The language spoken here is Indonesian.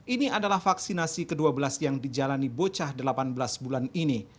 ini adalah vaksinasi ke dua belas yang dijalani bocah delapan belas bulan ini